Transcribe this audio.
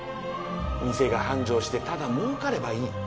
店が繁盛してただ儲かればいい。